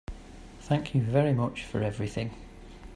Thank you very much for everything.